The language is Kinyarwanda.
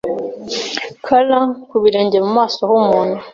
Claun ku birenge mu maso h'umuntu